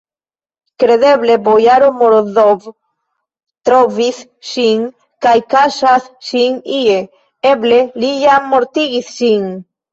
Kredeble, bojaro Morozov trovis ŝin kaj kaŝas ŝin ie, eble li jam mortigis ŝin!